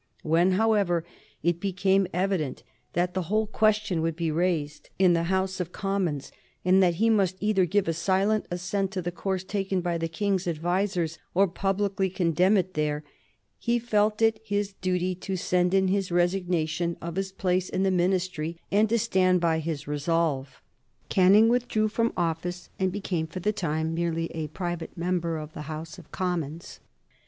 When, however, it became evident that the whole question would be raised in the House of Commons, and that he must either give a silent assent to the course taken by the King's advisers or publicly condemn it there, he felt it his duty to send in his resignation of his place in the Ministry and to stand by his resolve. Canning withdrew from office and became, for the time, merely a private member of the House of Commons.